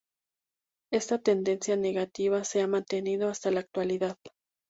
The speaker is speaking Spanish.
Esta tendencia negativa se ha mantenido hasta la actualidad.